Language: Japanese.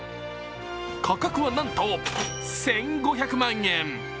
価格はなんと１５００万円！